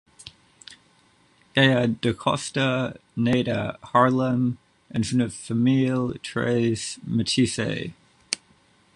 Yaya DaCosta naît à Harlem dans une famille très métissée.